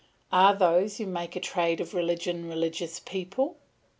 Are those who make a trade of religion religious people?